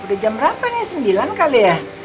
udah jam berapa nih sembilan kali ya